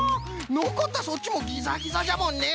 のこったそっちもギザギザじゃもんね。